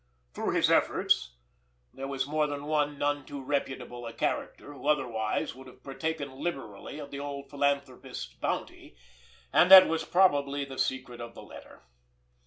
Through his efforts there was more than one none too reputable a character who otherwise would have partaken liberally of the old philanthropist's bounty; and that was probably the secret of the letter.